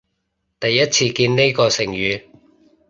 第一次見呢個成語